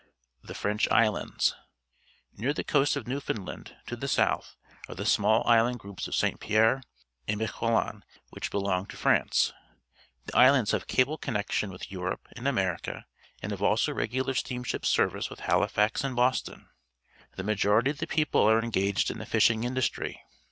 The French Islands. — Near the coast of Newfoundland, to the south, are the small island groups of »S/. Pierre and Miquelon. which belong to France. The islands have cable communication with Europe and .America, and have also regular steamship service with HaUfax and Boston. The majority of the people are engaged in the fishing industry.